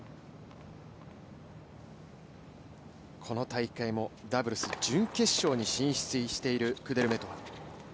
この大会もダブルス準決勝に進出しているクデルメトワ。